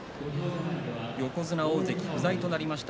横綱、大関不在となりました